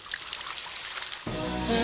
え！